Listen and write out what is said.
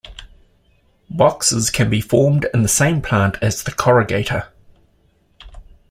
Boxes can be formed in the same plant as the corrugator.